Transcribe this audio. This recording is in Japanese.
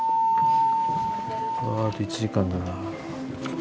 ああと１時間だな。